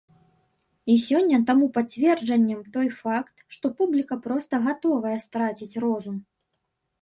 І сёння таму пацверджаннем той факт, што публіка проста гатовая страціць розум!